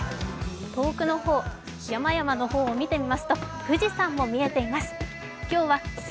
遠くの山々の方を見てみますと、富士山も見えています。